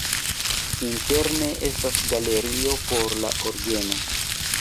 Interne estas galerio por la orgeno.